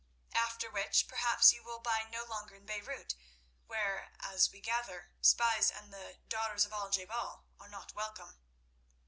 After which, perhaps, you will bide no longer in Beirut, where, as we gather, spies and the 'daughters of Al je bal' are not welcome."